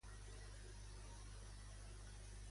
Com es va posar en veure'ls ella?